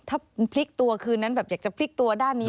ถ้าพลิกตัวคืนนั้นแบบอยากจะพลิกตัวด้านนี้